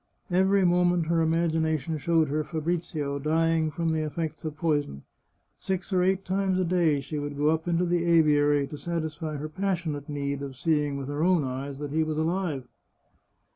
Every moment her imagination showed her Fabrizio dying from the effects of poison ; six or eight times a day she would go up into the aviary to satisfy her passionate need of seeing with her own eyes that he was alive.